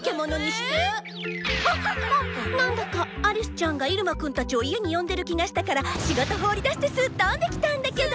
ええっ⁉まぁなんだかアリスちゃんがイルマくんたちを家に呼んでる気がしたから仕事放りだしてすっ飛んできたんだけど。